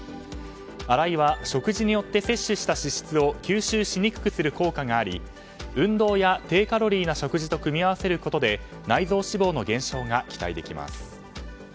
アライは食事によって摂取した脂質を吸収しにくくする効果があり運動や低カロリーな食事と組みわせることで内臓脂肪の減少が期待できます。